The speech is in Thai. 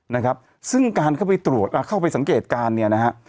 นะครับซึ่งการเข้าไปตรวจอ่าเข้าไปสังเกตการณ์เนี่ยนะฮะ